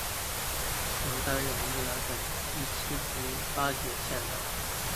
曾担任宜兰县第七及八届县长。